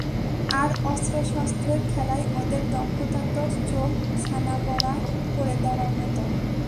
আর, অস্ত্রশস্ত্রের খেলায় ওদের দক্ষতা তো চোখ ছানাবড়া করে দেওয়ার মতো!